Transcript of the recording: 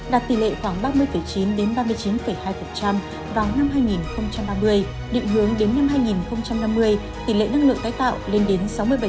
đạt tỷ lệ khoảng ba mươi chín ba mươi chín hai vào năm hai nghìn ba mươi định hướng đến năm hai nghìn năm mươi tỷ lệ năng lượng tái tạo lên đến sáu mươi bảy năm bảy mươi một năm